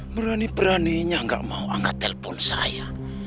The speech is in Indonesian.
berani beraninya nggak mau angkat telpon saya